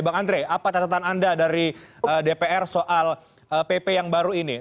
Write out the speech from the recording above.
bang andre apa catatan anda dari dpr soal pp yang baru ini